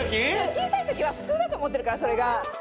小さいときは普通だと思ってるからそれが。